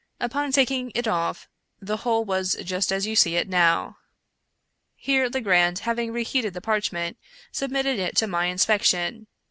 Upon taking it off, the whole was just as you see it now." Here Legrand, having reheated the parchment, submitted it to my inspection.